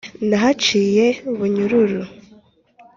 nahaciye bunyururu.